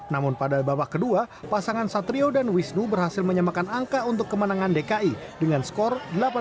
namun pada babak kedua pasangan satrio dan wisnu berhasil menyamakan angka untuk kemenangan dki dengan skor delapan belas